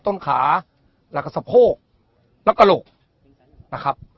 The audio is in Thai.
ต้นขาแล้วก็สะโพกและกระโหลกนะครับ